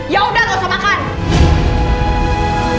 yaudah gak usah makan